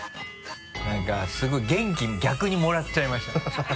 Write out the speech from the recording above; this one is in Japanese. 何かすごい元気逆にもらっちゃいましたね。